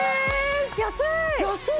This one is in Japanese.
安い！